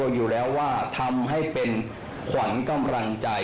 ก็เป็นเรื่องของความเชื่อความศรัทธาเป็นการสร้างขวัญและกำลังใจ